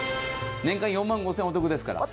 年間４万５０００円お得ですから。